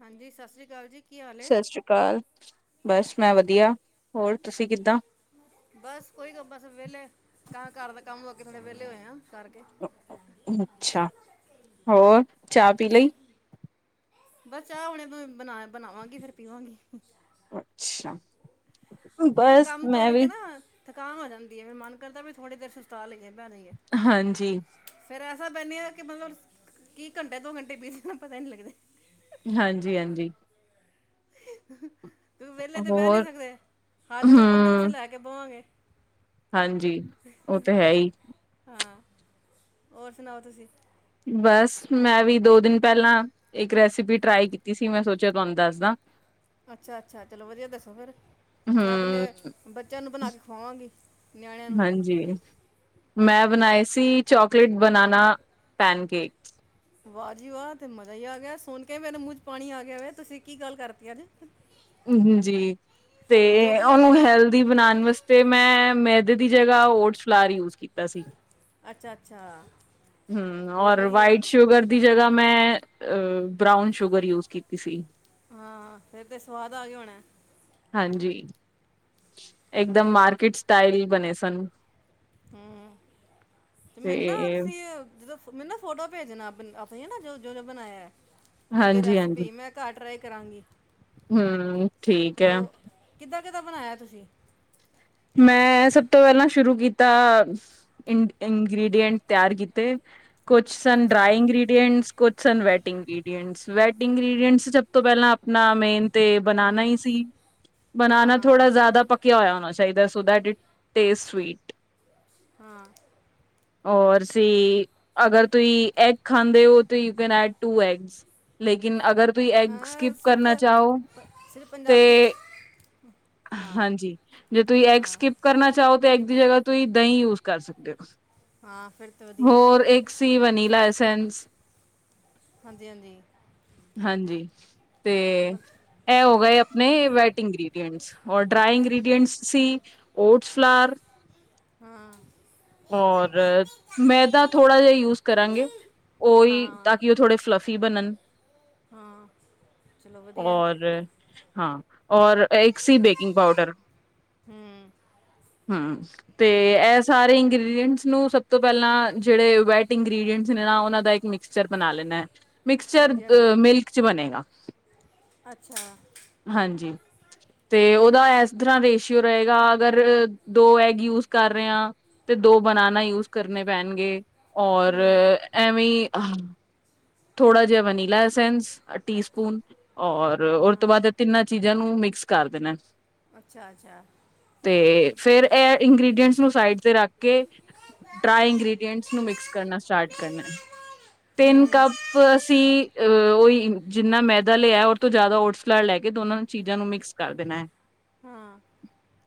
ਹਾਂਜੀ ਸਤਿ ਸ੍ਰੀ ਅਕਾਲ ਜੀ, ਕੀ ਹਾਲ ਏ? ਸਤਿ ਸ੍ਰੀ ਅਕਾਲ ਬਸ ਮੈਂ ਵਧੀਆ, ਹੋਰ ਤੁਸੀਂ ਕਿੱਦਾਂ ਬਸ ਕੋਈ ਬਸ ਵੇਲੇ ਕਾ ਘਰ ਦਾ ਕੰਮ ਕਰਕੇ ਥੋੜੇ ਵੇਹਲੇ ਹੋਏ ਆ। ਕਰਕੇ ਅੱਛਾ ਹੋਰ ਚਾਹ ਪੀ ਲਈ, ਬਸ ਚਾਹ ਹੁਣੇ ਬ ਬਣਾ ਬਣਾਵਾਂਗੀ ਫੇਰ ਪੀਵਾਂਗੀ। ਅੱਛਾ, ਨਾ ਬਸ ਕੰਮ ਮੈਂ ਵੀ, ਕਰਕੇ ਨਾ ਥਕਾਨ ਹੋ ਜਾਂਦੀ ਹੈ, ਫੇਰ ਮਨ ਕਰਦਾ ਵੀ ਥੋੜੀ ਦੇਰ [unintelligible] ਆ। ਹਾਂਜੀ, ਪੈਨੇ ਆ ਕਿ ਮਤਲਬ ਕੀ ਘੰਟੇ ਦੋ ਘੰਟੇ ਬੀਤਗੇ ਨਾ ਪਤਾ ਹੀ ਨਹੀਂ ਲੱਗਦੇ, ਹਾਂਜੀ-ਹਾਂਜੀ, [unintelligible] ਤੂੰ‌ ਹੀ ਵਿਹਲੇ ਤੇ ਬਹਿ ਨੀ ਹੋਰ ਸਕਦੇ ਹੱਥ ਵਿੱਚ ਕੁਛ ਨਾ ਕੁਛ ਹਮ ਲੈ ਕੇ ਬਵਾਂਗੇ। ਹਾਂਜੀ ਉਹ ਤੇ ਹੈ ਹੀ, ਔਰ ਸੁਣਾਓ ਤੁਸੀਂ? ਬਸ ਮੈਂ ਵੀ ਦੋ ਦਿਨ ਪਹਿਲਾਂ ਇੱਕ ਰੈਸਪੀ ਟਰਾਈ ਕੀਤੀ ਸੀ, ਮੈਂ ਸੋਚਿਆ ਤੁਹਾਨੂੰ ਦੱਸਦਾ। ਅੱਛਾ-ਅੱਛਾ, ਚਲੋ ਵਧੀਆ ਦੱਸੋ ਫ਼ੇਰ ਮੈਂ ਆਪਣੇ ਹਮ ਬੱਚਿਆਂ ਨੂੰ ਬਣਾ ਕੇ ਖਵਾਵਾਂਗੀ। ਨਿਆਣਿਆਂ ਨੂੰ ਹਾਂਜੀ, ਮੈਂ ਬਣਾਏ ਸੀ ਚਾਕਲੇਟ ਬਨਾਨਾ ਪੈਨ ਕੇਕ, ਵਾਹ ਜੀ ਵਾਹ ਤੇ ਮਜ਼ਾ ਹੀ ਆ ਗਿਆ ਸੁਣ ਕੇ ਮੇਰੇ ਮੂੰਹ 'ਚ ਪਾਣੀ ਆ ਗਿਆ ਵੇ ਤੁਸੀਂ ਕੀ ਗੱਲ ਕਰਤੀ ਅੱਜ ਜੀ ਤੇ ਚੋਕਲੇਟ ਉਹਨੂੰ ਹੈਲਦੀ ਬਣਾਣ ਵਾਸਤੇ ਮੈਂ ਮੇ ਮੈਦੇ ਦੀ ਜਗ੍ਹਾ ਓਟਸ ਫਲਾਰ ਯੂਜ ਕੀਤਾ ਸੀ। ਅੱਛਾ ਅੱਛਾ ਹੂੰ ਬਹੁਤ ਔਰ ਵਧੀਆ ਹੈ। ਵਾਈਟ ਸ਼ੂਗਰ ਦੀ ਜਗ੍ਹਾ ਮੈਂ ਅ ਬਰਾਊਨ ਸ਼ੂਗਰ ਯੂਜ ਕੀਤੀ ਸੀ। ਹਾਂ ਫੇਰ ਤੇ ਸਵਾਦ ਆ ਗਿਆ ਹੋਣਾ। ਹਾਂਜੀ, ਇੱਕਦਮ ਮਾਰਕੀਟ ਸਟਾਈਲ ਬਣੇ ਸਨ। ਹੂੰ ਤੇ ਮੈਨੂੰ [unintelligible] ਜਦੋਂ, ਮੈਨੂੰ ਨਾ ਫੋਟੋ ਭੇਜਣਾ ਅ ਆਪਣੀ ਨਾ ਜੋ-ਜੋ ਬਣਾਇਆ। ਵਿਦ ਰੈਸਪੀ ਮੈਂ ਘਰ ਟਰਾਈ ਕਰਾਂਗੀ। ਹੂੰ ਠੀਕ ਹੈ। ਕਿਦਾ ਬਣਾਇਆ ਤੁਸੀਂ। ਮੈਂ ਸਭ ਤੋਂ ਪਹਿਲਾਂ ਸ਼ੁਰੂ ਕੀਤਾ ਆ ਇੰਨ ਇੰਗ੍ਰਡੀਐਂਟ ਤਿਆਰ ਕੀਤੇ। ਕੁਛ ਸਨ ਅੱਛਾ ਡਰਾਈ ਇਗ੍ਰਰੀਡੀਐਟਸ। ਕੁਛ ਸਨ ਵੈਡ ਇੰਗਐਂਟਸ ਵੈਡ ਇੰਗ੍ਰਟਸ ਸਭ ਤੋਂ ਪਹਿਲਾਂ ਆਪਣਾ ਮੇਨ। ਤੇ ਬਨਾਨਾ ਹੀ ਹੂੰ ਸੀ ਬਨਾਨਾ ਹਾਂ ਥੋੜਾ ਜ਼ਿਆਦਾ ਪੱਕਿਆ ਹੋਇਆ ਉਹਨਾ ਚਾਹੀਦਾ। ਚਾਹੀਦਾ so that it taste sweet. ਹਾਂ। ਔਰ ਸੀ ਅਗਰ ਤੁਸੀਂ ਐਗ ਖਾਂਦੇ ਹੋ you can add two egg ਲੇਨ ਅਗਰ। ਤੁਸੀਂ ਐਗ ਅਹ, ਸਕਿਪ ਸਿਰਫ ਕਰਨਾ ਚਾਹੋ ਪ- ਸਿਰਫ ਤੇ। ਪੰਜਾਬ ਵਿੱਚ ਹਾਂ ਹਾਂਜੀ, ਜੇ ਤੁਸੀਂ ਐਗ ਹਾਂ ਸਕਿਪ ਕਰਨਾ ਚਾਹੋ। ਐਗ ਦੀ ਜਗ੍ਹਾ ਤੁਸੀਂ ਦਹੀਂ ਯੂਜ ਕਰ ਸਕਦੇ ਹੋ। ਹਾਂ ਫਿਰ ਤਾਂ ਵਧੀਆ ਹੋਰ ਇੱਕ ਸੀ ਵਨੀਲਾ ਸੀ। ਸੈਸ। ਹਾਂਜੀ ਹਾਂਜੀ ਹਾਂਜੀ। ਤੇ ਵ- ਇਹ ਹੋਗੇ ਆਪਣੇ ਵੈਟਿੰਗ ਗ੍ਰੀਫ। ਔਰ ਡਰਾਈ ਇੰਗ੍ਰੀਡੀਐਂਟ ਸੀ ਓਟ ਫਲਾਰ। ਹੂੰ। ਔਰ ਮੈਦਾ ਥੋੜ੍ਹਾ ਜਿਹਾ ਯੂਜ ਕਰਾਂਗੇ ਹਾਂ ਉਹੀ ਤਾਂ ਹਾਂ ਕਿ ਉਹ ਥੋੜੇ ਫਲਫੀ ਬਣਨ। ਹਾਂ ਚਲੋ ਵਧੀਆ ਔਰ ਹਾਂ ਔਰ ਇੱਕ ਸੀ ਬੇਕਿੰਗ ਪਾਊਡਰ ਹੂੰ ਹੂੰ ਤੇ ਇਹ ਸਾਰੇ। ਇਰਟਸ ਨੂੰ ਸਭ ਤੋਂ ਪਹਿਲਾਂ ਜਿਹੜੇ ਵੈਟ ਇੰਗਟਸ ਨੇ ਉਹਨਾਂ ਦਾ ਇੱਕ ਮਿਕਸਚਰ ਬਣਾ ਲੈਣਾ ਹੈ। ਮਿਕਸਚਰ ਹਾਂਜੀ ਹਾਂਜੀ ਮਿਲਕ ਚ ਬਣੇਗਾ ਅੱਛਾ ਹਾਂਜੀ ਤੇ। ਦਾ ਇਸ ਤਰ੍ਹਾਂ ਰੇਸ਼ੀਓ ਰਹੇਗਾ ਅਗਰ ਦੋ ਐਗ ਯੂਜ ਕਰ ਰਹੇ ਹਾਂ। ਤੇ ਦੋ ਬਨਾਨਾ ਯੂਜ ਕਰਨੇ ਪੈਣਗੇ। ਔਰ ਹੂੰ ਐਵੀਂ। ਆਹ। ਥੋੜਾ ਜਿਹਾ ਵਨੀਲਾ ਅਸੈਸ ਆ ਟੀ ਸਪੂਨ। ਔਰ ਉਹ ਤੋਂ ਹਾਂ ਬਾਅਦ ਤਿੰਨਾਂ ਚੀਜ਼ਾਂ ਨੂੰ ਮਿਕਸ। ਕਰ ਦੇਨਾ। ਅੱਛਾ-ਅੱਛਾ। ਫੇਰ ਇਹ। ਇੰਗਰੀਡੀਅਂਟਸ ਨੂੰ ਸਾਈਡ ਤੇ ਰੱਖ ਕੇ ਡਰਾਈ ਇੰਗਰੀਡੀਐਂਟਸ ਨੂੰ ਮਿਕਸ ਕਰਨਾ ਸਟਾਰਟ ਕਰਨਾ ਤਿੰਨ ਹੂੰ ਕੱਪ। ਅਸੀਂ ਅਹ ਉਹਹੀ ਜਿੰਨਾ ਮੈਦਾ ਲਿਆ ਉਹਦੇ ਤੋਂ ਜ਼ਿਆਦਾ ਓਟਸ ਲੈ ਕੇ ਦੋਨਾਂ ਚੀਜ਼ਾਂ ਨੂੰ ਮਿਕਸ ਕਰ ਦੇਣਾ- ਹਾਂ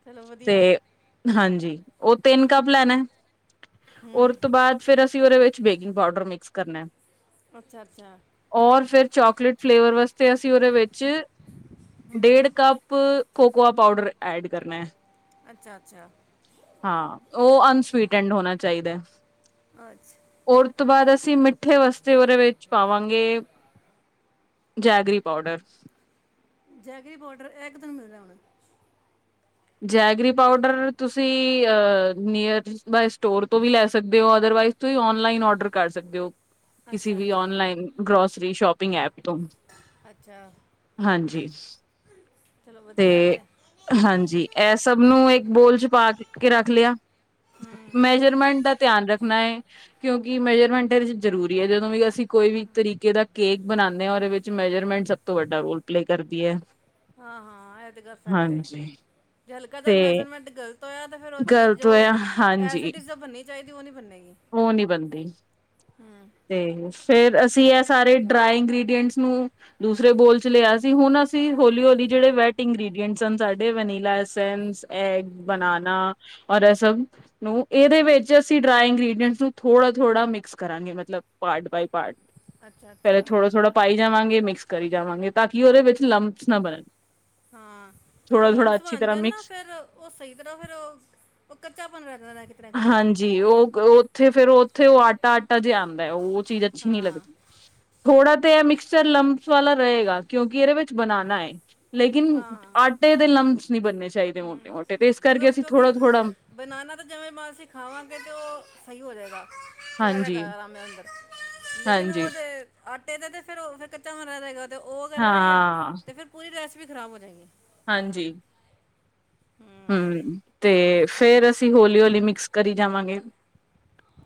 ਚਲੋ ਵਧੀਆ ਤੇ ਹਾਂਜੀ- ਉਹ ਤਿੰਨ ਕੱਪ ਲੈਣਾ- ਹੂੰ ਔਰਉਤ ਤੋਂ ਬਾਅਦ ਫੇਿਰ ਅਸੀਂ ਉਹਦੇ ਵਿੱਚ- ਬੇਕਿੰਗ ਪਾਊਡਰ ਮਿਕਸ ਕਰਨਾ ਏ ਅੱਛਾ ਅੱਛਾ ਔਰ ਫੇਿਰ ਚਾਕਲੇਟ ਫਲੇਵਰ ਵਾਸਤੇ ਅਸੀਂ ਉਹਦੇ ਵਿੱਚ ਡੇਢ ਕੱਪ- ਕੋਕੋਆ ਪਾਊਡਰ ਐਡ ਕਰਨਾ- ਅੱਛਾ ਅੱਛਾ ਹਾਂ ਉਹ ਅਨਸਵੀਟੈਂਡ ਹੋਣਾ ਚਾਹੀਦਾ ਅੱਛਾ ਏ ਦੋਬਾਰਾ ਅਸੀਂ ਮਿੱਠੇ ਵਾਸ ਤ- ਅਸੀਂ ਉਹਦੇ ਵਿੱਚ ਪਾਵਾਂਗੇ ਜੈਗਰੀ ਪਾਊਡਰ- ਜੈਗਰੀ ਪਾਉਡਰ ਇੱਹ ਕਿਥੋਂ ਮਿਲਦਾ ਹੁਣ- ਜੈਗਰੀ ਪਾਊਡਰ ਤੁਸੀਂ ਨੀਅਰ ਬਾਯ ਸਟੋਰ ਤੋਂ ਵੀ ਲੈ ਸਕਦੇ ਹੋ ਅਦਰਵਾਈਜ਼ ਤੁਸੀਂ ਓਨਲਾਈਨ ਆਡਰ ਕਰ ਸਕਦੇ ਹੋ। ਕਿਸੇ ਅੱਛਾ ਵੀ ਅੱਛਾ ਓਨਲਾਈਨ ਗਰੋਸਰੀ ਸ਼ੋਪਿੰਗ ਐਪ ਤੋਂ, ਅੱਛਾ ਜੀ- ਚਲੋ ਵਧੀਆ ਤੇ ਹਾਂਜੀ ਇਹ ਸਭ ਨੂੰ ਇੱਕ ਬੋਲ ਚ ਪਾ ਕੇ- ਕੇ ਰੱਖ ਲਿਆ ਹੂੰ ਮੇਜਰਮੈਂਟ ਦਾ ਧਿਆਨ ਰੱਖਣਾ ਹੈ ਕਿਉਂਕਿ ਮੇਜਰਮੈਂਟ ਇਹ ਵਿਚ ਜਰੂਰੀ ਹੈ ਜਦੋ ਵੀ ਅਸੀਂ ਕੋਈ ਵੀ ਤਰੀਕੇ ਦਾ ਕੇਕ ਬਨਾਦੇ ਉਹਦੇ ਵਿਚ ਮੇਜਰਮੈਂਟ ਸਬ ਤੋਂ ਵੱਡਾ ਰੋਲ ਪਲੇ ਕਰਦੀ ਹੈ। ਹਾਂ-ਹਾਂ ਇਹ ਤੇ ਗਲ ਫੈਕਟ ਏ- ਹਾਂਜੀ ਜੇ ਹਲਕਾ ਜਿਹਾ ਤੇ ਮੈਜਰਮੈਂਟ ਗਲਤ ਹੋਇਆ ਤਾਂ ਫਿਰ ਉਹ ਚੀਜ਼ ਗ਼ਲਤ ਜੋ ਹੋਇਆ ਐਜ ਹਾਂਜੀ ਇਟ ਇਜ ਬਣਨੀ ਚਾਹੀਦੀ- ਉਹ ਨਹੀਂ ਬਣੇ- ਉਹ ਨਹੀਂੀ ਬਣਦੀ- ਤੇ ਫੇਰ ਅਸੀਂ ਇਹ ਸਾਰੇ ਡਰਾਈ ਇੰਗ੍ਰਰੀਡੀਐਂਟਸ ਨੂੰ ਦੂਸਰੇ ਬੋਲ ਚ ਲਿਆ ਸੀ ਹੁਣ ਅਸੀਂ ਹੌਲੀ-ਹੌਲੀ ਜਿਹੜੇ ਵੈਟ ਇੰਗ੍ਰਡੀਐਂਟਸ ਸਾਡੇ ਵਨੀਲਾ ਐਸੈਂਸ ਐਗ, ਹਾਂ ਬਨਾਨਾ ਔਰ- ਨੂੰ ਇਹਦੇ ਵਿੱਚ ਅਸੀਂ ਡਰਾਈ ਇੰਗ੍ਰਡੀਂਟਸ ਨੂੰ ਥੋੜਾ- ਥੋੜਾ ਮਿਕਸ ਕਰਾਂਗੇ ਮ- ਮਤਲਬ ਪਾਰਟ ਬਾਏ ਪਾਰਟ- ਅੱਛਾ ਪਹਿਲੇਾਂ ਅੱਛਾ ਥੋੜਾ-ਥੋੜਾ ਪਾਈ ਜਾਵਾਂਗੇ ਮਿਕਸ- ਕਰੀ ਜਾਵਾਂਗੇ ਤਾਂ ਕਿ ਉਹਦੇ ਵਿੱਚ ਲੰਬਸ ਨਾ ਬਣਨ- ਹਾਂ ਅਗਰ ਥੋੜਾ ਥੋੜਾ ਲਮਸ ਅੱਛੀ ਬਣ ਤਰ੍ਹਾਂ ਜਾਣ ਨਾ ਮਿਕਸ ਫੇਿਰ ਉਹ ਸਹੀ ਤਰ੍ਹਾਂ ਫੇਿਰ ਕੱਚਾ ਪੰਨ ਰਹਿ ਜਾਂਦਾ ਹੈ ਕਿਤੇ ਨਾ ਕਿਤੇ- ਹਾਂਜੀ ਉਹ ਉੱਥੇ ਫੇਰ ਉੱਥੇ ਉਹ ਆਟਾ- ਆਟਾ ਜਿਹਾ ਆਂਦਾ। ਲ਼ੈ ਉਹ- ਚੀਜ਼ ਅੱਛੀ ਨਹੀਂੀ ਹਾਂ ਲੱਦੀ ਥੋੜਾ ਤਾਂ ਮਿਕਸਚਰ ਲੰਮ- ਵਾਲਾ ਰਹੇਗਾ ਕਿਉਂਕਿ ਇਹਦੇ ਵਿੱਚ ਬਨਾਨਾ ਏ- ਲੇਕਿਨ ਹਾਂ ਆਟੇ ਦੇ ਲਮਸ ਨਹੀਂੀ ਬਣਨੇ ਚਾਹੀਦੇ ਮੋਟੇ- ਮੋਟੇ ਤੇ ਇਸ ਕਰਕੇ ਮਤਲਬ ਅਸੀਂ ਕਿਉਂਕਿ ਥੋੜਾ-ਥੋੜਾ। ਬਨਾਨਾ ਤਾਂ ਜਿਵੇਂ ਮਾਂ ਤੇਰਾ ਹਾਂਜੀ। ਜਗਾ ਅਰਾਮੇ ਅੰਦਰ ਲੇਕਿਨ ਹਾਂਜੀ ਉਹਦੇ [unintelligible] ਆਟੇ ਤੇ ਫੇਰ ਉਹ ਫਿਰ ਕੱਚਾ ਬਨਾ ਰਹਿਗਾ- ਤੇ ਉਹ ਰਹਿ ਗਿਆ ਹਾਂ, ਤੇ ਫੇਰ ਪੂਰੀ ਰੈਸਪੀ ਵੀ ਖਰਾਬ ਹੋ ਜਾਏਗੀ। ਹਾਂਜੀ। ਹੂੰ, ਤੇ ਫੇਰ ਅਸੀਂ ਹੌਲੀ-ਹੌਲੀ ਮਿਕਸ ਕਰੀ ਜਾਵਾਂਗੇ।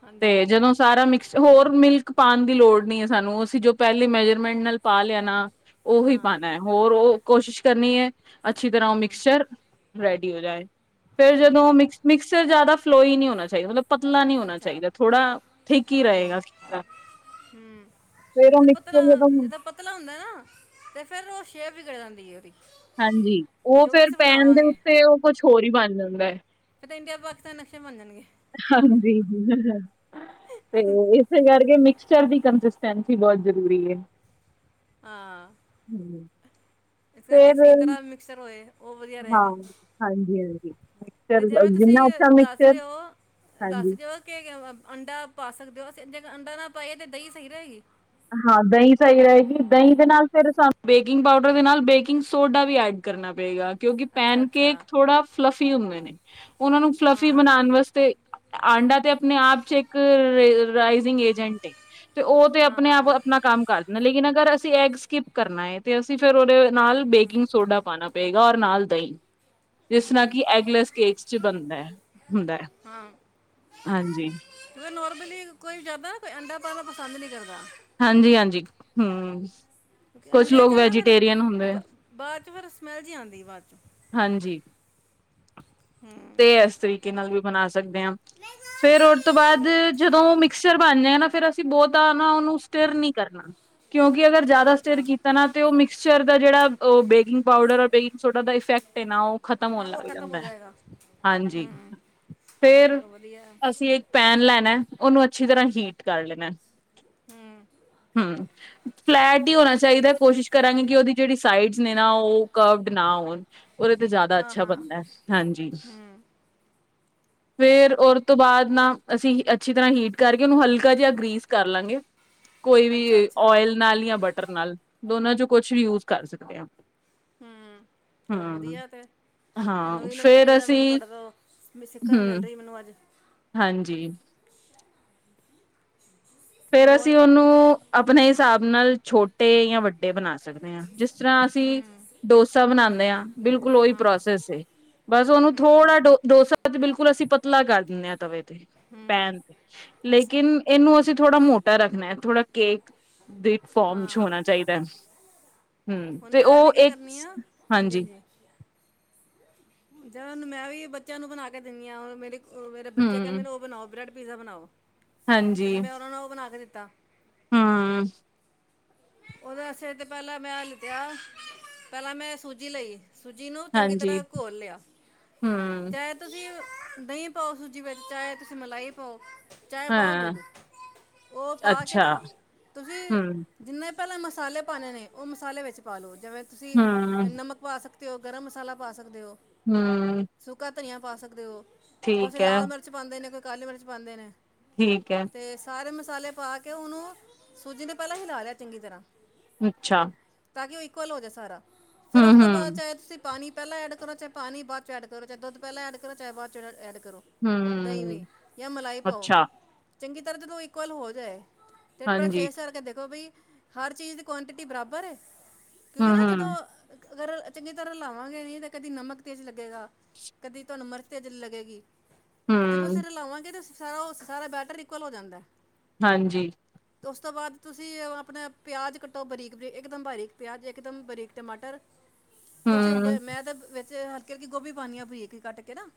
ਹਾਂਜੀ ਤੇ ਹਾਂਜੀ ਜਦੋਂ ਸਾਰਾ ਮਿਕਸ ਹੋਰ ਮਿਲ ਕ ਪਾਣ ਦੀ ਲੋੜ ਨਹੀਂ ਹੈ ਸਾਨੂੰ ਅਸੀਂ ਜੋ ਪਹਿਲੀ ਮੈਜਰਮੈਂਟ ਨਾਲ ਪਾ ਲਿਆ ਨਾ ਉਹੀ ਹਾਂ ਪਾਣਾ ਹੈ ਹੋਰ ਓ ਕੋਸ਼ਿਸ਼ ਕਰਨੀ ਐ ਅੱਛੀ ਤਰ੍ਹਾਂ ਉਹ ਹੂੰ ਮਿਕਸਚਰ ਰੈਡੀ ਹੋ ਜਾਏ। ਫੇਰ ਜਦੋਂ ਹੂੰ ਮਿਕ ਮਿਕਸਚਰ ਜ਼ਿਆਦਾ [unintelligible] ਨੀ ਹੋਣਾ ਚਹੀਦਾ ਮਤਲਬ ਪਤਲਾ ਨਹੀਂ ਹੋਣਾ ਅੱਛਾ ਚਾਹੀਦਾ ਥੋੜਾ ਠੀਕ ਹੀ ਹੂੰ-ਹੂੰ ਰਹੇਗਾ ਫੇਰ ਉਹ ਜਦੋਂ ਪਤਲਾ ਮਿਕਸਚਰ ਜਦੋਂ ਜਿਦਾਂ ਪਤਲਾ ਹੁੰਦਾ ਨਾ ਤੇ ਫੇਰ ਉਹ ਸ਼ੇਪ ਵਿਗੜ ਜਾਂਦੀ ਏ ਓਦੀ ਹਾਂਜੀ ਉਹ ਫਿਰ ਪੈਣ ਦੇ ਉੱਤੇ ਔ ਕੁੱਛ ਹੋਰ ਹੀ ਬਣ ਜਾਂਦਾ ਐ। ਫੇਰ ਤਾਂ ਇੰਡੀਆ ਪਾਕਿਸਤਾਨ ਨਸ਼ੇ ਬਣ ਜਾਣਗੇ ਹਾਂਜੀ, ਤੇ ਇਸੇ ਕਰਕੇ ਮੀ ਚਰ ਦੀ ਕੰਸਿਸਟੈਂਸੀ ਬਹੁਤ ਜ਼ਰੂਰੀ ਹੈ। ਹੂੰ, ਹਾਂ ਇਸ ਕਰਕੇ ਸਹੀ ਫੇਰ ਤਰ੍ਹਾਂ ਮਿਕਸਰ ਹੋਏ ਉਹ ਵਧੀਆ ਹਾਂ, ਰਹੇਗਾ, ਹਾਂਜੀ, ਹਾਂਜੀ ਤੇ ਮਿਕਸਚਰ ਜਿਵੇਂ ਤੁਸੀਂ ਜਿੰਨਾ ਅੱਛਾ ਦੱਸ ਮਿਕਸਚਰ ਰਹੇ ਹੋ ਦੱਸ ਹਾਂਜੀ। ਜਓ ਕਿ ਅੰਡਾ ਪਾ ਸਕਦੇ ਹੋ ਅਸੀਂ ਜੇ ਅੰਡਾ ਨਾ ਪਾਈਏ ਤੇ ਦਹੀਂ ਸਹੀ ਰਹੇਗੀ। ਹਾਂ ਦਹੀਂ ਸਹੀ ਰਹੇਗੀ ਦਹੀਂ ਦੇ ਨਾਲ ਫਿਰ ਸਾਨੂੰ ਬੇਕਿੰਗ ਪਾਊਡਰ ਦੇ ਨਾਲ ਬੇਕਿੰਗ ਸੋਡਾ ਵੀ ਐਡ ਕਰਨਾ ਪਏਗਾ। ਕਿਉਂਕਿ ਅੱਛਾ ਪੈਨ ਕੇਕ ਅੱਛਾ ਥੋੜਾ ਫਲਾਫੀ ਹੁੰਦੇ ਨੇ, ਉਹਨਾਂ ਨੂੰ ਫਲਾਫੀ ਹਾਂ ਬਣਾਣ ਵਾਸਤੇ ਆਂਡਾ ਤੇ ਆਪਣੇ ਆਪ ਚ ਇਕ ਰੇ ਰਾਈਜਿੰਗ ਏਜੰਟ ਏ ਤੇ ਉਹ ਤੇ ਅ ਹਾਂ ਆਪਣੇ ਆਪ ਹਾਂ ਆਪਣਾ ਕੰਮ ਕਰ ਦਿੰਦਾ ਲੇਕਿਨ ਅਗਰ ਅਸੀਂ ਐਗ ਸਕਿਪ ਕਰਨਾ ਏ ਤੇ ਅਸੀਂ ਫੇਰ ਉਹਦੇ ਨਾਲ ਬੇਕਿੰਗ ਸੋਡਾ ਪਾਂਣਾ ਪਏਗਾ। ਔਰ ਨਾਲ ਦਹੀ, ਜਿਸ ਨਾਲ ਹੂੰ ਕਿ ਐਗਲੈਸ ਕੇਕਸ ਚ ਬਣਦਾ ਹੁੰਦਾ ਹਾਂ ਹਾਂਜੀ ਖਾਣਾ ਪਸੰਦ ਨੀ ਕਰਦਾ। ਹਾਂਜੀ-ਹਾਂਜੀ ਹੂੰ, ਕੁਛ ਅੰਡਿਆਂ ਲੋਕ ਚੋਂ ਨਾ ਫਿਰ ਵੈਜੀਟੇਰੀਅਨ ਹੁੰਦੇ ਆ, ਬਾਅਦ ਚ, ਫਿਰ ਸਮੈਲ ਜਿਹੀ ਆਉਂਦੀ ਬਾਅਦ ਚੋਂ। ਹਾਂਜੀ ਤੇ ਇਸ ਤਰੀਕੇ ਨਾਲ ਚਲੋ ਵੀ ਬਣਾ ਸਕਦੇ ਹਾਂ, ਫੇਰ ਉਹ ਤੋਂ ਬਾਅਦ ਚ- ਜਦੋਂ ਮਿਕਸਰ ਬਣ ਜਾ ਨਾ ਫਿਰ ਅਸੀਂ ਬਹੁਤਾ ਨਾ ਉਹਨੂੰ ਸਟਿਰ ਨੀ ਕਰਨਾ ਕਿਉਕਿ, ਅਗਰ ਜਿਆਦਾ ਅੱਛਾ ਸਟਰ ਅੱਛਾ ਕੀਤਾ ਨਾ ਤੇ, ਉਹ ਮਿਕਚਰ ਦਾ ਜਿਹੜਾ ਬੇਕਿੰਗ ਪਾਊਡਰ, ਬੇਕਿੰਗ ਸੋਡਾ ਦਾ ਇਫੈਕਟ ਨਾ ਉਹ ਖਤਮ ਹੋਣ ਹਾਂ ਉਹ ਲੱਗ ਖਤਮ ਹੋ ਜਾਂਦਾ। ਜਾਏਗਾ ਹਾਂਜੀ। ਹੂੰ ਫਿਰ ਚਲੋ ਵਧੀਆ ਹੈ। ਅਸੀਂ ਇੱਕ ਪੈਨ ਲੈਣਾ ਉਹਨੂੰ ਅੱਛਾ ਅੱਛੀ ਤਰ੍ਹਾਂ ਹੀਟ ਕਰ ਲੈਣਾ, ਹੂੰ ਹਮ ਫਲੈਟ ਹੀ ਹੋਣਾ ਚਾਹੀਦਾ। ਕੋਸ਼ਿਸ਼ ਕਰਾਂਗੇ ਕਿ ਉਹਦੀ ਜਿਹੜੀ ਸਾਈਡਸ ਨੇ, ਨਾ ਉਹ ਕਵਡ ਨਾ ਹੋਣ। ਉਹਦੇ ਤੇ, ਜ਼ਿਆਦਾ ਹਾਂ ਅੱਛਾ ਹਾਂ ਬਣਦਾ। ਹਾਂਜੀ। ਹੂੰ ਫੇਰ ਉਰ ਤੋ ਬਾਅਦ ਨਾ, ਅਸੀਂ ਅੱਛੀ ਤਰ੍ਹਾਂ ਹੀਟ ਕਰਕੇ ਉਹਨੂੰ ਹਲਕੇ ਜਿਹਾ ਗ੍ਰੀਸ ਕਰ ਲਾਂਗੇ, ਕੋਈ ਅੱਛਾ ਵੀ ਅੱਛਾ ਓਇਲ ਨਾਲ ਯਾ ਬਟਰ ਨਾਲ। ਦੋਨਾਂ ਚ ਕੁਛ ਵੀ ਯੂਜ ਕਰ ਸਕਦੇ ਹਾਂ, ਆਪ ਹਮ ਚਲੋ, ਵਧੀਆ ਤੇ ਹਾਂ ਨਵੀਂ ਇਹ ਨਵੀਂ ਚੀਜ਼ ਫੇਰ ਦਾ ਮੈਨੂੰ ਅਸੀਂ ਤੁਹਾਡੇ ਤੋਂ, ਸਿੱਖਣ ਮਿਲ ਹੂੰ ਰਹੀ ਮੈਨੂੰ ਅੱਜ। ਹਾਂਜੀ ਤੇ ਫੇਰ ਅਸੀਂ ਹੋਰ ਉਹਨੂੰ ਆਪਣੇ ਹਿਸਾਬ ਨਾਲ ਛੋਟੇ ਯਾਂ ਵੱਡੇ ਬਣਾ ਸਕਦੇ ਹਾਂ, ਜਿਸ ਜਿਸ ਤਰ੍ਹਾਂ ਅਸੀਂ ਹੂੰ ਡੋਸਾ ਬਣਾਉਦੇ। ਦੇਂ ਬਿਲਕੁਲ ਉਹੀ ਹਾਂ ਪ੍ਰੋਸੈਸ ਏ, ਬਸ ਉਹਨੂੰ ਹੂੰ ਥੋੜਾ ਡੋ ਡੋਸਾ ਬਿਲਕੁਲ, ਅਸੀਂ ਪਤਲਾ ਕਰਿ ਦਿੰਨੇ ਆ, ਤਵੇ ਤੇ। ਹੂੰ ਪੈਣ ਤੇ, ਲੇਕਿਨ, ਇਹਨੂੰ ਥੋੜਾ ਮੋਟਾ ਰੱਖਣਾ, ਹੈ ਥੋੜਾ ਕੇਕ ਦੇ ਫੋਮ ਚ ਹਾਂ ਹੋਣਾ ਚਾਹੀਦਾ, ਹਮ ਹੁਣ ਤੇ, ਮੈਂ ਉਹ ਵੀ ਕੀ ਕਰਨੀ ਆ ਇੱਕ ਹਾਂਜੀ। ਜ ਮੈਂ, ਵੀ ਬੱਚਿਆਂ ਨੂੰ ਬਣਾ ਕੇ ਦਿੰਦੀ ਹਾਂ। ਮੇਰੇ ਕੋ ਉਹ ਮੇਰਾ ਬੱਚਾ ਕਹਿੰਦੇ ਹੂੰ ਨੇ, ਉਹ ਬਣਾਓ ਬਰੇ ਪੀਜ਼ਾ ਬਣਾਓ। ਕਿੰ ਮੈਂ, ਉਹਨਾ ਨੂੰ ਉਹ ਬਣਾ ਕੇ ਦਿੱਤਾ। ਕੁੱਤਾ ਹਮ। ਉਹਦੇ ਵਾਸਤੇ ਤੇ, ਪਹਿਲਾਂ ਮੈਂ ਲਿਤਿਆ ਪਹਿਲਾਂ ਮੈਂ ਸੂਜੀ ਲਈ। ਸੂਜੀ ਨੂੰ ਚੰਗੀ ਹਾਂਜੀ ਤਰ੍ਹਾਂ ਘੋਲ ਲਿਆ, ਹੂੰ ਚਾਹੇ ਤੁਸੀਂ ਦਹੀਂ ਪਾਓ, ਸੂਜੀ ਵਿੱਚ ਚਾਹੇ, ਤੁਸੀਂ ਮਲਾਈ ਪਾਓ। ਚਾਹੇ ਪਾਓ ਹਾਂ ਦੁੱਧ, ਉਹ ਪਾ ਕੇ ਅੱਛਾ ਨਾ ਤੁਸੀਂ ਹੂੰ ਜਿੰਨੇ ਪਹਿਲਾਂ ਮਸਾਲੇ ਪਾਣੇ ਨੇ, ਉਹ ਮਸਾਲੇ ਵਿੱਚ ਪਾ ਲਉ। ਜਿਵੇਂ ਤੁਸੀਂ ਹੂੰ ਨਮਕ ਪਾ ਸਕਦੇ। ਤੇ ਉਹ ਗਰਮ ਮਸਾਲਾ ਪਾ ਸਕਦੇ ਹੋ। ਹੂੰ। ਸੁੱਕਾ ਧਨੀਆ ਪਾ ਸਕਦੇ ਹੋ। ਕੁਝ ਠੀਕ ਹੈ ਲਾਲ ਮਿਰਚ ਪਾਉਂਦੇ ਨੇ ਕੁ ਕਾਲੀ ਮਿਰਚ ਪਾਉਂਦੇ ਨੇ। ਠੀਕ ਹੈ ਤੇ ਸਾਰੇ ਮਸ ਮਸਾਲੇ ਪਾ ਕੇ ਉਹਨੂੰ ਸੂਜੀ ਨੇ ਪਹਿਲਾਂ ਹੀਲਾ ਲਿਆ ਚੰਗੀ ਤਰ੍ਹਾਂ ਅੱਛਾ ਤਾਂ ਕਿ ਉਹ ਇਕਵਲ ਹੋ ਜਾਵੇ ਸਾਰਾ। ਫੇਰ ਉਸ ਤੋਂ ਬਾਅਦ ਹੂੰ-ਹੂੰ, ਚਾਹੇ ਤੁਸੀ ਪਾਣੀ ਪਹਿਲਾਂ ਐਡ ਕਰੋ, ਚਾਹੇ ਪਾਣੀ ਬਾਅਦ ਚ ਐਡ ਕਰੋ, ਚਾਹੇ ਦੁੱਧ ਪਹਿਲਾ ਐਡ ਕਰੋ, ਚਾਹੇ ਬਾਅਦ ਚ ਐਡ ਕਰੋ ਦਹੀਂ ਹੂੰ, ਵੀ ਜਾਂ ਮਲਾਈ ਪਾਉ। ਅੱਛਾ, ਚੰਗੀ ਤਰ੍ਹਾਂ ਜਦੋ ਇਕੁਅਲ ਹੋ ਜਾਏ। ਤੇ ਪਹਿਲਾਂ ਹਾਂਜੀ, ਟੇਸਟ ਕਰਕੇ ਦੇਖੋ ਬਈ। ਹਰ ਚੀਜ਼ ਦੀ ਕੁਆਆਂਟਿਟੀ ਬਰਾਬਰ ਹੈ। ਕਿਉਂਕਿ ਨਾ ਜਦੋਂ ਹੂੰ-ਹੂੰ, ਅਗਰ ਚੰਗੀ ਤਰ੍ਹਾਂ ਰਲਾਵਾਂਗੇ ਨੀ ਤਾਂ ਕਦੀ ਨਮਕ ਤੇਜ਼ ਲੱਗੇਗਾ, ਕਦੀ ਤੁਹਾਨੂੰ ਮਿਰਚ ਤੇਜ਼ ਲੱਗੇਗੀ। ਤੇ ਜਦੋਂ ਫਿਰ ਹੂੰ, ਰਲਾਵਾਂਗੇ ਤਾਂ ਅਸੀਂ ਸਾਰਾ ਉਹ ਸਾਰਾ ਬੈਟਰ ਇਕੁਅਲ ਹੋ ਜਾਂਦਾ। ਹਾਂਜੀ ਉਸ ਤੋਂ ਬਾਅਦ ਤੁਸੀਂ ਆਪਣਾ ਪਿਆਜ ਕੱਟੋ, ਬਰੀਕ ਬਰੀਕ ਇਕਦਮ ਬਾਰੀਕ ਪਿਆਜ਼, ਇਕ ਦਮ ਬਰੀਕ ਟਮਾਟਰ ਕੁਛ ਹੂੰ, ਮੈਂ ਤਾਂ ਤੇ ਹਲਕੀ ਜਿਹੀ ਗੋਭੀ ਪਾਣੀ ਆਂ, ਬਰੀਕ ਜਹੀ ਕੱਟ ਕੇ ਨਾ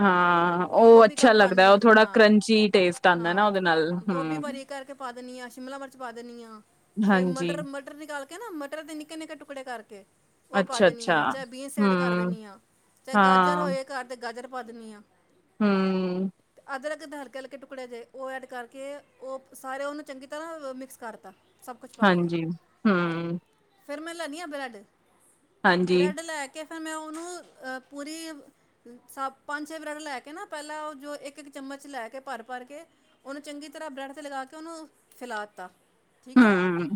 ਹਾਂ, ਉਹ ਗੋਭੀ ਕਰ ਅੱਛਾ ਲੱਗਦਾ ਪਾਣੀ ਆ ਉਹ ਥੋੜ੍ਹਾ ਹਾਂ ਕਰੰਚੀ ਟੇਸਟ ਆਉਂਦਾ ਨਾ ਹਾਂ ਉਹਦੇ ਨਾਲ ਗੋਭੀ ਹੂੰ। ਬਰੀਕ ਕਰਕੇ ਪਾ ਦੇਣੀ ਆ ਸ਼ਿਮਲਾ ਮਿਰਚ ਪਾ ਦੇਣੀ ਆ। ਫੇਰ ਹਾਂਜੀ, ਮਟਰ ਮਟਰ ਨਿਕਾਲ ਕੇ ਤੇ ਨਾ ਮਟਰ ਦੇ ਨਿੱਕੇ ਨਿੱਕੇ ਟੁਕੜੇ ਕਰਕੇ ਉਹ ਪਾ ਦੇਣੀ ਅੱਛਾ-ਅੱਛਾ, ਆ, ਚਾਹੇ ਬੀਨਸ ਐਡ ਕਰ ਹੂੰ, ਦੇਣੀ ਆ, ਚਾਹੇ ਗਾਜਰ ਹਾਂ, ਹੋਏ ਘਰ ਚ ਗਾਜਰ ਪਾ ਦੇਣੀ ਆ। ਹੂੰ। ਤੇ ਅਦਰਕ ਦੇ ਹਲਕੇ ਹਲਕੇ ਟੁਕੜੇ ਕਰਕੇ ਉਹ ਐਡ ਕਰਕੇ ਉਹ ਸਾਰੇ ਉਹਨੂੰ ਚੰਗੀ ਤਰ੍ਹਾਂ ਮਿਕਸ ਕਰਤਾ ਸਭ ਹਾਂਜੀ ਹੂੰ, ਫੇਰ ਮੈਂ ਲੈਂਨੀ ਆ ਬਰੈੱਡ ਹਾਂਜੀ, ਬਰੈੱਡ ਲੈ ਕੇ ਫਿਰ ਮੈਂ ਉਹਨੂੰ ਪੂਰੀ ਸਾ ਪੰਜ ਛੇ ਬਰੈੱਡ ਲੈ ਕੇ ਨਾ ਪਹਿਲਾਂ ਉਹ ਜੋ ਇੱਕ ਇੱਕ ਚਮਚ ਲੈ ਕੇ ਭਰ ਭਰ ਕੇ ਉਹਨੂੰ ਚੰਗੀ ਤਰ੍ਹਾਂ ਬਰੈੱਡ ਤੇ ਲਗਾ ਕੇ ਉਹਨੂੰ ਫੈਲਾ ਦਿੱਤਾ। ਠੀਕ ਹੈ ਹੂੰ,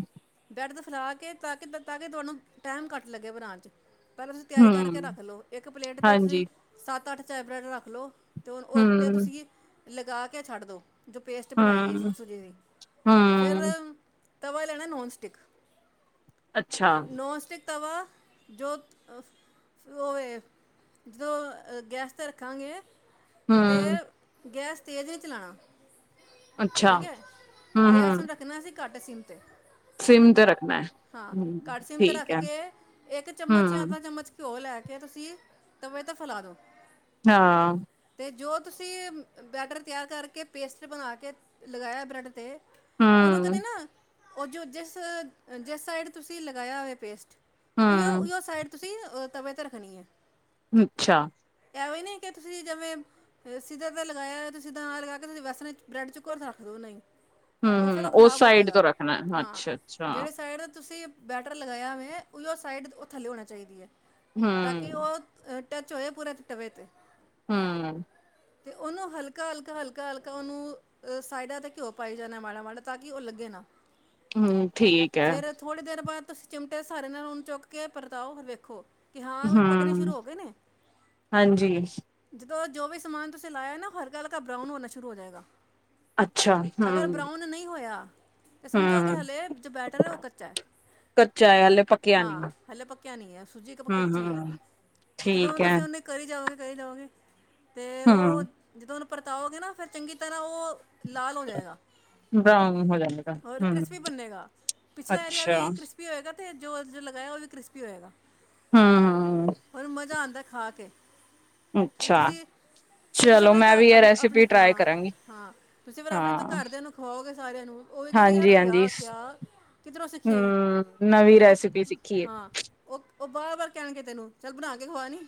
ਬਰੈੱਡ ਫਿਲਾ ਕੇ ਤਾਂ ਕਿ ਤਾਂ ਕਿ ਤੁਹਾਨੂੰ ਟਾਈਮ ਘੱਟ ਲੱਗੇ ਬਣਾਣ ਚ, ਪਹਿਲਾਂ ਤੁਸੀਂ ਤਿਆਰੀ ਕਰਕੇ ਹੂੰ, ਰੱਖ ਲਓ ਇੱਕ ਪਲੇਟ ਤੇਤਵੀ ਹਾਂਜੀ, ਤੁਸੀਂ ਸੱਤ ਅੱਠ ਸੈਡ ਬਰੈੱਡ ਰੱਖਲੋ ਤੇ ਹੁਣ ਉਹ ਤੇ ਹੂੰ, ਤੁਸੀਂ ਲਗਾ ਕੇ ਛੱਡ ਦੋ। ਜੋ ਪੇਸਟ ਬਣਾਈ ਹੈ, ਹੂੰ, ਸੁੂਜੀ ਦੀ ਫੇਰ ਹੂੰ, ਤਵਾ ਲੈਣਾ ਨੋਨਸਟਿਕ ਅੱਛਾ, ਤਵਾ ਜੋ ਹੈਗੈਸ ਤੇ ਰੱਖਾਂਗੇ। ਹੂੰ, ਤੇ ਗੈਸ ਤੇਜ ਨਹੀਂ ਚਲਾਣਾ। ਅੱਛਾ, ਠੀਕ ਹੈ, ਗੈਸ ਨੂੰ ਹੂੰ-ਹੂੰ, ਰੱਖਣਾ ਸੀ। ਘੱਟ ਸੀਮ ਤੇ। ਸਿਮ ਤੇ ਰੱਖਣਾ ਹੈ, ਹਾਂ ਹੂੰ, ਘੱਟ ਸਿਮ ਤੇ ਠੀਕ ਰੱਖ ਐ। ਕੇ ਇੱਕ ਚਮਚ ਜਾਂ ਹੂੰ, ਅੱਧਾ ਚਮਚ ਘਿਓ ਲੈ ਕੇ ਫਿਰ ਤੁਸੀਂ ਤਵੇ ਤੇ ਫੈਲਾ ਦੋ ਹਾਂ, ਅਤੇ ਜੋ ਤੁਸੀਂ ਬੈਟਰ ਤਿਆਰ ਕਰਕੇ ਪੇਸਟ ਬਣਾ ਕੇ ਲਗਾਇਆ ਬਰੈਡ 'ਤੇ ਉਹਨੂੰ ਇੱਕ ਹੂੰ, ਦਿਨ ਉਹ ਜੋ ਜਿਸ ਸਾਈਡ ਤੁਸੀਂ ਲਗਾਇਆ ਵੇ ਪੇਸਟ ਉਹ ਹੂੰ, ਉਹੀ ਸਾਈਡ ਤੁਸੀਂ ਤੁਸੀਂ ਤਵੇ ਤੇ ਰੱਖਣੀ ਐ। ਅੱਛਾ, ਐਵੇਂ ਹੀ ਨਹੀਂ ਕਿ ਤੁਸੀਂ ਜਿਵੇਂ ਸਿੱਧਾ ਤੇ ਲਗਾਇਆ, ਹੋਆ ਤੁਸੀ ਸਿੱਧਾਂ ਨਾ ਲਗਾ ਕੇ ਤੁਸੀਂ ਵੈਸੇਬਰੈਂਡ ਚੁੱਕੋ ਤੇ ਰੱਖ ਦਿਓ ਉਹ ਫਿਰ ਹਾਂ-ਹਾਂ ਉਹ ਉਸ ਖ਼ਰਾਬ ਹੋ ਸਾਈਡ ਜਾਏਗਾ ਤੋਂ ਰੱਖਣਾ ਹਾਂ ਅੱਛਾ-ਅੱਛਾ, ਜਿਹੜੇ ਸਾਈਡ ਤੁਸੀਂ ਬੈਟਰ ਲਗਾਇਆ ਮੈਂ ਉ ਸਾਈਡ ਉਹ ਥੱਲੇ ਹੋਣਾ ਚਾਹੀਦੀ ਹੈ। ਤਾਂ ਕਿ ਹੂੰ। ਉਹ ਟੱਚ ਹੋਏ ਪੂਰਾ ਤਬੇ ਤੇ। ਹੂੰ ਤੇ ਉਹਨੂੰ ਹਲਕਾ-ਹਲਕਾ-ਹਲਕਾ-ਹਲਕਾ ਉਹਨੂੰ ਅਹ ਸਾਈਡਾਂ ਤੇ ਘਿਓ ਪਾਈ ਜਾਣਾ ਮਾੜਾ-ਮਾੜਾ ਤਾਂ ਕਿ ਉਹ ਲੱਗੇ ਨਾ ਹੂੰ ਠੀਕ ਐ ਫਿਰ ਥੋੜ੍ਹੀ ਦੇਰ ਬਾਅਦ ਤੁਸੀਂ ਚਿਮਟੇ ਸਾਰੇ ਨਾਲ ਓਨੂੰ ਚੁੱਕ ਕੇ ਪਰਤਾਓ ਵੇਖੋ ਕਿ ਹਾਂ ਵੀ ਪੱਕਣੇ ਹੂੰ ਸ਼ੁਰੂ ਹੋ ਗਏ ਨੇ ਹਾਂਜੀ ਜੋ ਵੀ ਸਮਾਨ ਤੁਸੀਂ ਲਾਇਆ ਨਾ ਹਲਕਾ-ਹਲਕਾ ਬਰਾਊਨ ਹੋਨਾ ਸ਼ੁਰੂ ਹੋ ਜਾਏਗਾ। ਅੱਛਾ ਅਗਰ ਹੂੰ ਬਰਾਊਨ ਨਹੀਂ ਹੋਇਆ ਤੇ ਸਮਝੋ ਕਿ ਹੂੰ, ਹਲੇ ਜੋ ਬੈਟਰ ਹੈ ਓ ਕੱਚਾ ਕੱਚਾ ਐ ਹਲੇ ਪੱਕਿਆ ਨੀ, ਹਾਂ ਹਲੇ ਪੱਕਿਆ ਨੀ ਹੈ ਸੂਜੀ ਇੱਕ ਕੱਚੀ ਹੈ ਹੂੰ-ਹੂੰ, ਤੇ ਜਦੋਂ ਠੀਕ ਐ, ਤੁਸੀਂ ਉਹਨੇ ਕਰੀ ਜਾਓਗੇ ਕਰੀ ਜਾਓਗੇ ਤੇ ਓ ਹੂੰ। ਜਦੋਂ ਉਹਨ ਪਰਤਾਓਗੇ ਨਾ ਫੇਰ ਚੰਗੀ ਤਰ੍ਹਾਂ ਓ ਲਾਲ ਹੋ ਜਾਏਗਾ ਬਰਾਊਨ ਹੋ ਜਾਏਗਾ, ਹੋਰ ਹੂੰ, ਕ੍ਰਿਸਪੀ ਬੰਨੇਗਾ ਪਿਛਲਾ ਏਰੀਆ ਅੱਛਾ, ਵੀ ਕ੍ਰਿਸਪੀ ਹੋਏਗਾ ਤੇ ਜੋ ਜੋ ਲਗਾਇਆ ਉਹ ਵੀ ਕ੍ਰਿਸਪੀ ਹੋਏਗਾ ਹੂੰ। ਹੁਣ ਮਜ਼ਾ ਆਉਂਦਾ ਖਾ ਕੇ ਅੱਛਾ, ਤੁਸੀਂ ਫੇਰ ਤੁਸੀਂ ਚਲੋ ਆਪਣੇ ਘ ਮੈਂ ਵੀ ਇਹ ਆਪਣੇ ਆਪਣੇ ਰੈਸਿਪੀ ਟਰਾਈ ਕਰਾਂਗੀ, ਹਾਂ-ਹਾਂ ਤੁਸੀਂ ਫਿਰ ਆਪਣੇ ਤੋਂ ਹਾਂ, ਘਰਦਿਆਂਨੂੰ ਖਆਓਗੇ ਸਾਰਿਆ ਨੂੰ ਓ ਵੀ ਕਹਿਣਗੇ ਯਾਰ ਹਾਂਜੀ-ਹਾਂਜੀ। ਵਾਹ ਕਿਆ ਕਿਧਰੋਂ ਸਿੱਖਿਆ ਈ ਹੂੰ, ਨਵੀਂ ਓ ਰੈਸਿਪੀ ਸਿੱਖੀ ਏ। ਹਾਂ ਓ ਉਹ ਬਾਰ-ਬਾਰ ਕਹਿਣ ਕੇ ਤੈਨੂੰ ਚੱਲ ਬਣਾ ਕੇ ਖਵਾ ਨੀ